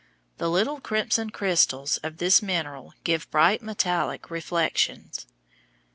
The little crimson crystals of this mineral give bright metallic reflections.